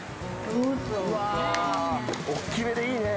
大っきめでいいね。